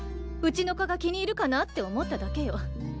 うちの子が気に入るかなあって思っただけよ。